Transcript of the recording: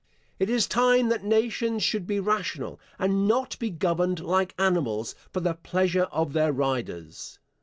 It is time that nations should be rational, and not be governed like animals, for the pleasure of their riders.